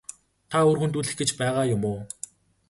Та үр хөндүүлэх гэж байгаа юм уу?